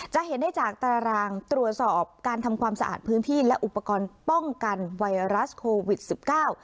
จะเห็นได้จากตารางตรวจสอบการทำความสะอาดพื้นที่และอุปกรณ์ป้องกันไวรัสโควิดสิบเก้า